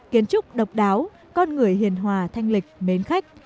kiến trúc độc đáo con người hiền hòa thanh lịch mến khách